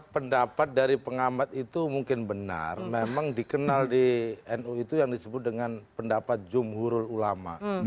pendapat dari pengamat itu mungkin benar memang dikenal di nu itu yang disebut dengan pendapat jumhurul ulama